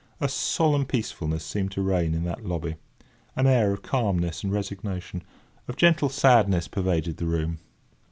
A solemn peacefulness seemed to reign in that lobby. An air of calmness and resignation—of gentle sadness pervaded the room.